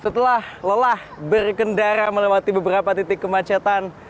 setelah lelah berkendara melewati beberapa titik kemacetan